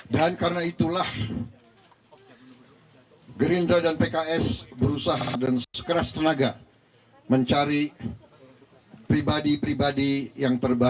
dan karena itulah gerinda dan pks berusaha dan sekeras tenaga mencari pribadi pribadi yang terbaik